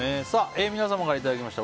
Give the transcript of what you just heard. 皆様からいただきました